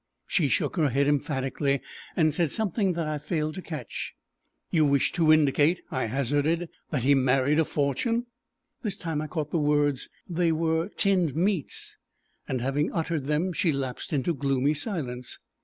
She shook her head emphatically, and said something that I failed to catch. "You wish to indicate," I hazarded, "that he married a fortune." This time I caught the words. They were "Tinned meats," and having uttered them she lapsed into gloomy silence.